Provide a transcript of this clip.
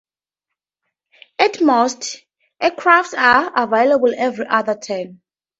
At most, aircraft are available every other turn.